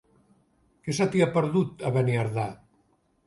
Què se t'hi ha perdut, a Beniardà?